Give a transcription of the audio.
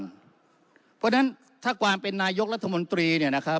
เพราะฉะนั้นถ้าความเป็นนายกรัฐมนตรี